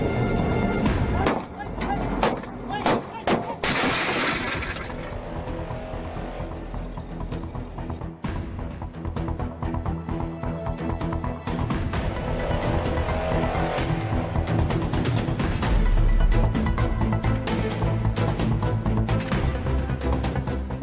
ไม่ได้เรื่องสัมภาษณ์กันไม่เหมือนอะไรนะครับ